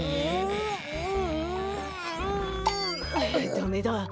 ダメだ。